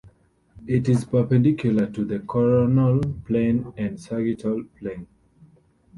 It is perpendicular to the coronal plane and sagittal plane.